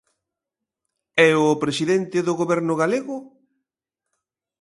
E o Presidente do Goberno galego?